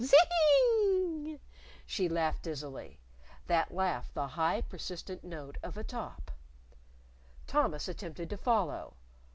"Zing g g g!" she laughed dizzily that laugh the high, persistent note of a top! Thomas attempted to follow.